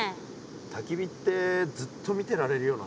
たき火ってずっと見てられるよな。